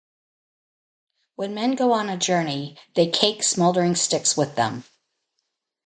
When men go on a journey they cake smoldering sticks with them.